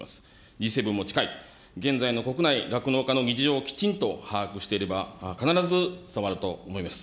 Ｇ７も近い、現在の国内酪農家の実情をきちんと把握していれば、必ず伝わると思います。